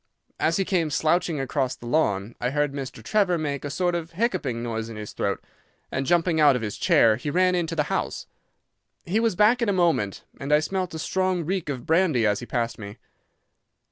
As he came slouching across the lawn I heard Mr. Trevor make a sort of hiccoughing noise in his throat, and jumping out of his chair, he ran into the house. He was back in a moment, and I smelt a strong reek of brandy as he passed me.